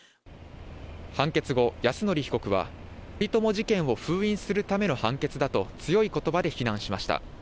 判決後、泰典被告は、森友事件を封印するための判決だと強いことばで非難しました。